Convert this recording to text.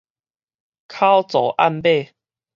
口座暗碼